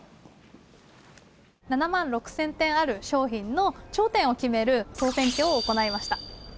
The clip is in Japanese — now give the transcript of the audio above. ７万６０００点ある商品の頂点を決める総選挙を行いました。